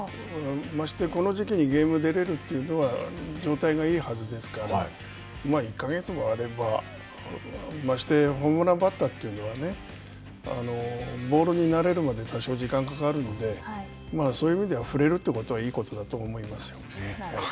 ましてやこの時期にゲームに出れるというのは状態がいいはずですから、１か月もあればましてやホームランバッターというのはボールになれるまで多少時間がかかるのでそういう意味では、振れるということはいいことだと思いますよ。